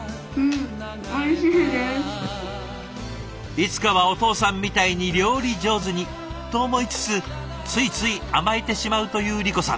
いつかはお父さんみたいに料理上手にと思いつつついつい甘えてしまうという莉子さん。